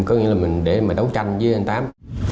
có nghĩa là mình để mà đấu tranh với anh tám